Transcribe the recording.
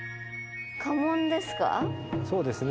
そうですね